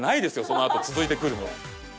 そのあと続いてくるの。